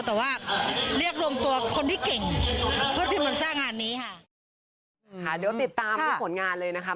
แต่ว่าเรียกรวมตัวคนที่เก่งเพื่อที่มันสร้างงานนี้ค่ะ